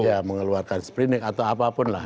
ya mengeluarkan sprint atau apapun lah